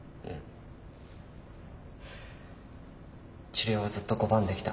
治療はずっと拒んできた。